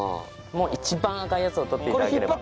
もう一番赤いやつをとって頂ければ。